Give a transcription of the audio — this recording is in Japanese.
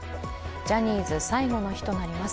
ジャニーズ最後の日となります。